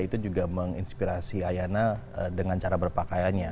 itu juga menginspirasi ayana dengan cara berpakaiannya